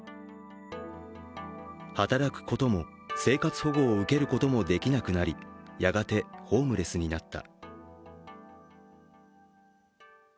働くことも、生活保護を受けることもできなくなり、やがて、ホームレスになった。